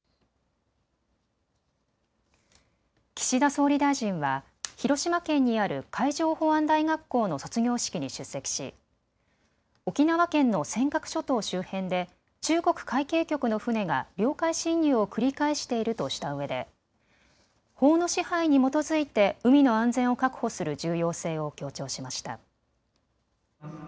岸田総理大臣は広島県にある海上保安大学校の卒業式に出席し沖縄県の尖閣諸島周辺で中国海警局の船が領海侵入を繰り返しているとしたうえで法の支配に基づいて海の安全を確保する重要性を強調しました。